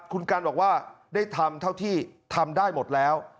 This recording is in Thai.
คุณกันบอกว่าได้ทำเท่าที่ทำได้หมดแล้ว